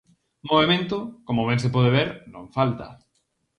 Movemento, como ben se pode ver, non falta.